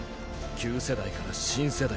旧世代から新世代。